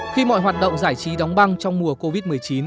khi mọi hoạt động giải trí đóng băng trong mùa covid một mươi chín